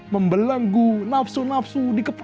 membelenggu nafsu nafsu di kepala